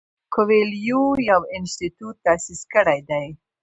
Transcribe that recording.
کویلیو یو انسټیټیوټ تاسیس کړی دی.